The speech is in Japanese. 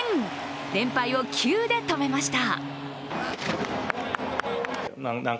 連敗を９で止めました。